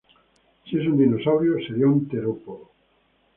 Si es un dinosaurio, seria un terópodo.